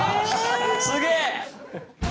すげえ！